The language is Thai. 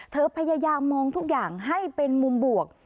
พยายามมองทุกอย่างให้เป็นมุมบวก